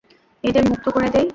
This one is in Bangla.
এদের মুক্ত করে দেই।